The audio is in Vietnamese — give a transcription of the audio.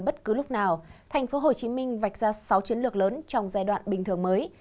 bất cứ lúc nào tp hcm vạch ra sáu chiến lược lớn trong giai đoạn bình thường mới